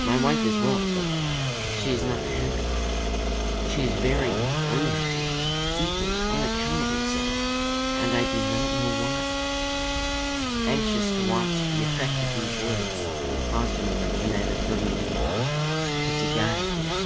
My wife is well, but she is not happy. She is very unhappy, deeply, unaccountably so, and I do not know why." Anxious to watch the effect of these words, he paused a moment, then added fervently: "Would to God I did!